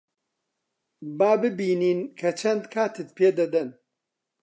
با ببینین کە چەند کاتت پێ دەدەن.